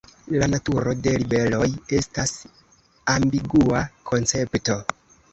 La naturo de ribeloj estas ambigua koncepto.